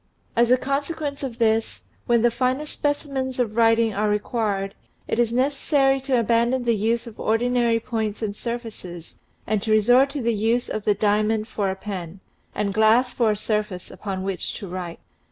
As a consequence of this, when the finest specimens of writing are required, it is necessary to abandon the use of ordinary points and surfaces and to resort to the use of the diamond for a pen, and glass for a surface upon which to write.